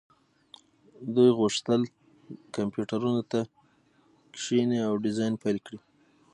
دوی غوښتل کمپیوټرونو ته کښیني او ډیزاین پیل کړي